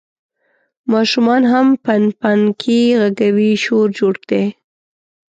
ماشومان هم پنپنانکي غږوي، شور جوړ دی.